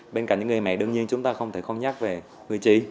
bên cạnh những người mẹ đương nhiên chúng ta không thể không nhắc về người chị